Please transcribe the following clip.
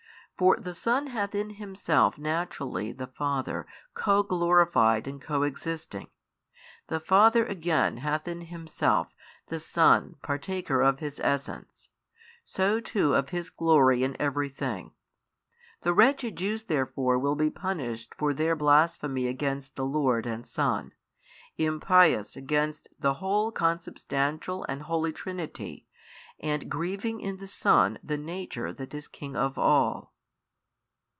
For the Son hath in Himself Naturally the Father Co glorified and Co existing, the Father again hath in Himself the Son partaker of His Essence, so too of |666 His glory in every thing. The wretched Jews therefore will be punished for their blasphemy against the Lord and Son, impious against the whole Consubstantial and Holy Trinity and grieving in the Son the Nature that is King of all.